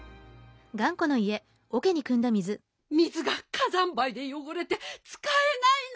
水が火山灰でよごれてつかえないの。